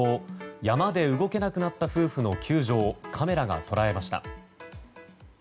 山で動けなくなった夫婦の救助をカメラが捉えました。